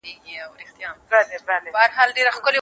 کابل د نورو ولایتونو په پرتله ډېر نفوس لري.